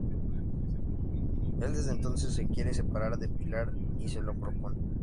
Él desde entonces se quiere separar de Pilar, y se lo propone.